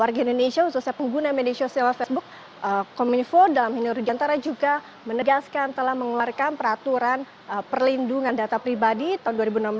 warga indonesia khususnya pengguna media sosial facebook kominfo dalam ini rudiantara juga menegaskan telah mengeluarkan peraturan perlindungan data pribadi tahun dua ribu enam belas